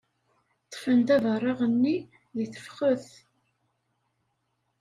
Ḍḍfen-d abaraɣ-nni deg tefxet.